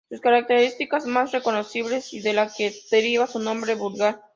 Su característica más reconocible y de la que deriva su nombre vulgar.